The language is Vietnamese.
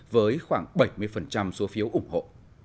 với khoảng bảy mươi số phiếu ủng hộ